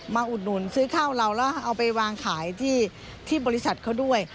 อุดหนุนซื้อข้าวเราแล้วเอาไปวางขายที่บริษัทเขาด้วย